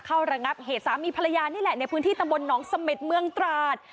เข้ารังงับเหตุสามีพระยานนี่แหละในพื้นที่ตะบลน้องสเม็ดเมืองตราศ